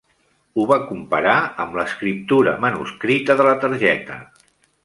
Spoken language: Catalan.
Ho va comparar amb l'escriptura manuscrita de la targeta.